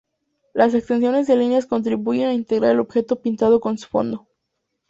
Las extensiones de líneas contribuyen a integrar el objeto pintado con su fondo.